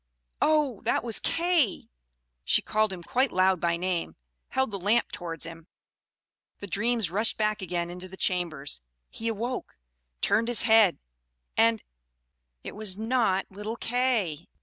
Oh! that was Kay! She called him quite loud by name, held the lamp towards him the dreams rushed back again into the chamber he awoke, turned his head, and it was not little Kay!